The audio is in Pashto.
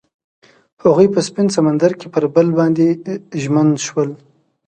هغوی په سپین سمندر کې پر بل باندې ژمن شول.